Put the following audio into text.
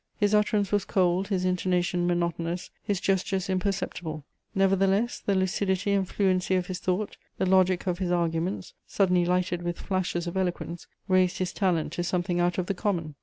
His utterance was cold, his intonation monotonous, his gestures imperceptible; nevertheless, the lucidity and fluency of his thought, the logic of his arguments, suddenly lighted with flashes of eloquence, raised his talent to something out of the common.